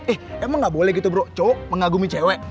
ih emang gak boleh gitu bro cowok mengagumi cewek